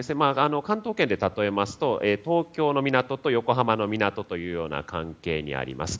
関東圏で例えますと東京の港と横浜の港というような関係にあります。